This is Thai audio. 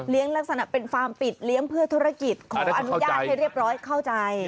ลักษณะเป็นฟาร์มปิดเลี้ยงเพื่อธุรกิจขออนุญาตให้เรียบร้อยเข้าใจ